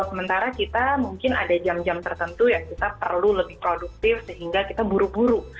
sementara kita mungkin ada jam jam tertentu yang kita perlu lebih produktif sehingga kita buru buru